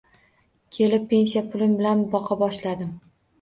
Kelib pensiya pulim bilan boqa boshladim